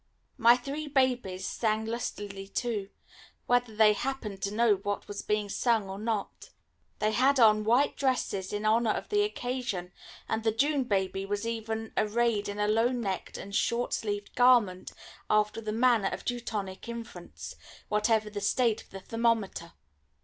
My three babies sang lustily too, whether they happened to know what was being sung or not. They had on white dresses in honour of the occasion, and the June baby was even arrayed in a low necked and short sleeved garment, after the manner of Teutonic infants, whatever the state of the thermometer.